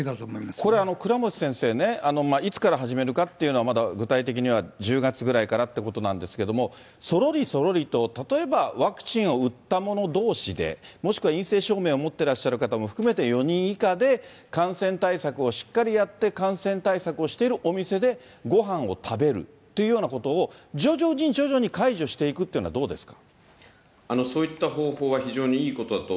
これは倉持先生ね、いつから始めるかっていうのは、まだ具体的には１０月ぐらいからっていうことなんですけれども、そろりそろりと、例えばワクチンを打った者どうしで、もしくは陰性証明を持ってらっしゃる方も含めて４人以下で感染対策をしっかりやって、感染対策をしているお店でごはんを食べるっていうようなことを、徐々に徐々に解除していくっていうのはどうですか。